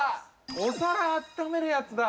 お皿をあっためるやつだ。